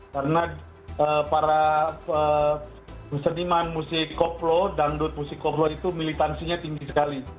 karena para peseniman musik koplo dangdut musik koplo itu militansinya tinggi sekali